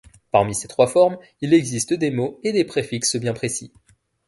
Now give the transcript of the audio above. Parmi ces trois formes, il existe des mots et des préfixes bien précis.